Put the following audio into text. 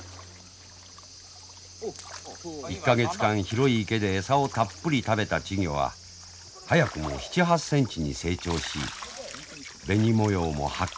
１か月間広い池で餌をたっぷり食べた稚魚は早くも７８センチに成長し紅模様もはっきり見えてきました。